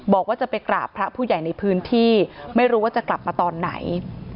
บอกว่าจะไปกราบพระผู้ใหญ่ในพื้นที่ไม่รู้ว่าจะกลับมาตอนไหน